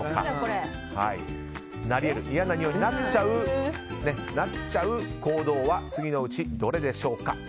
嫌なにおいになっちゃう行動は次のうちどれでしょうか。